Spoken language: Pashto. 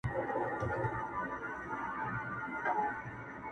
o يوڅه انا زړه وه ، يو څه توره تېره وه!